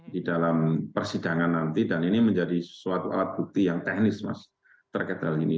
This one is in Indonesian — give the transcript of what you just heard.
di dalam persidangan nanti dan ini menjadi suatu alat bukti yang teknis mas terkait hal ini